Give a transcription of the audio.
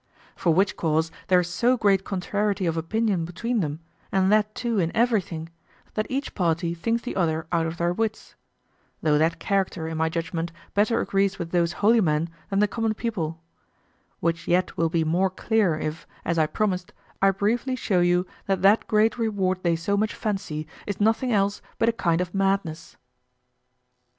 For which cause there's so great contrarity of opinion between them, and that too in everything, that each party thinks the other out of their wits; though that character, in my judgment, better agrees with those holy men than the common people: which yet will be more clear if, as I promised, I briefly show you that that great reward they so much fancy is nothing else but a kind of madness.